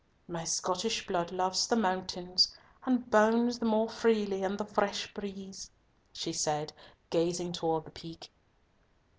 "My Scottish blood loves the mountains, and bounds the more freely in the fresh breeze," she said, gazing towards the Peak.